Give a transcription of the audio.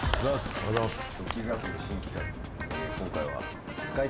おはようございます。